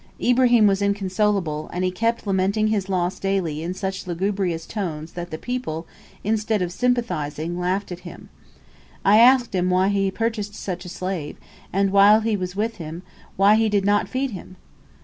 Ibrahim was inconsolable, and he kept lamenting his loss daily in such lugubrious tones that the people, instead of sympathizing, laughed at him. I asked him why he purchased such a slave, and, while he was with him, why he did not feed him?